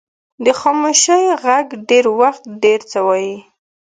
د خاموشۍ ږغ ډېر وخت ډیر څه وایي.